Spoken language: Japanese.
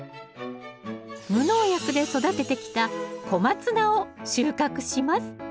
無農薬で育ててきたコマツナを収穫します